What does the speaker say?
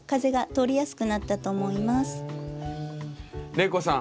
玲子さん